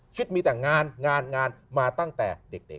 มีแต่งานงานมาตั้งแต่เด็ก